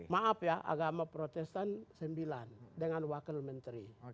maaf ya agama protestan sembilan dengan wakil menteri